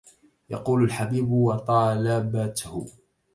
يقول الحبيب وطالبته